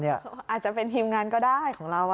อาจจะเป็นทีมงานก็ได้ของเรา